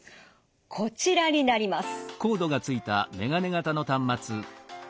こちらになります。